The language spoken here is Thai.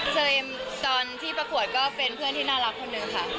เซมตอนที่ประกวดก็เป็นเพื่อนที่น่ารักคนนึงค่ะ